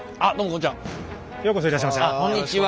こんにちは。